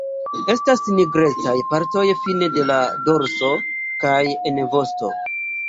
Estas nigrecaj partoj fine de la dorso kaj en vosto.